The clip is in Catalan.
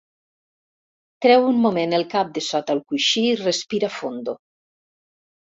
Treu un moment el cap de sota el coixí i respira fondo.